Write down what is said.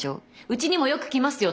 うちにもよく来ますよ。